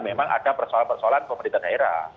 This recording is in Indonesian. memang ada persoalan persoalan pemerintah daerah